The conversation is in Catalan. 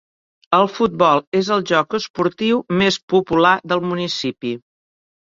El futbol és el joc esportiu més popular del municipi.